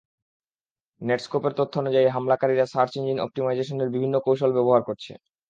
নেটস্কোপের তথ্যানুযায়ী, হামলাকারীরা search engine অপটিমাইজেশনের বিভিন্ন কৌশল ব্যবহার করছে।